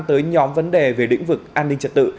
tới nhóm vấn đề về lĩnh vực an ninh trật tự